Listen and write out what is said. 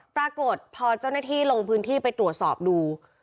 ปรากฏพอเจ้าหน้าที่ลงพื้นที่ไปตรวจสอบดู